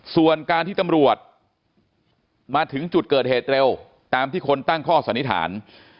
ส่วนการที่ตำรวจมาถึงจุดเกิดเหตุเร็วตามที่คนตั้งข้อสันนิษฐาน